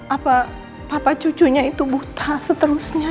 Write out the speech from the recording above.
apa papa cucunya itu buta seterusnya